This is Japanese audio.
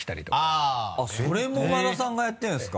あっそれも馬田さんがやってるんですか？